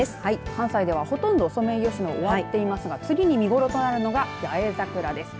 関西では、ほとんどソメイヨシノ終わっていますが次に見頃となるのが八重桜です。